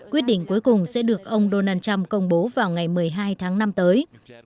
quyết định cuối cùng sẽ được ông donald trump công bố vào ngày một mươi hai tháng năm tới